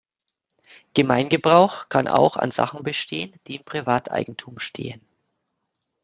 Gemeingebrauch kann auch an Sachen bestehen, die im Privateigentum stehen.